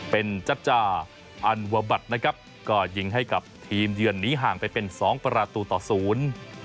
เป็นจัจจาอันวบัตรนะครับก็ยิงให้กับทีมเยือนนี้ห่างไปเป็นสองประตูต่อศูนย์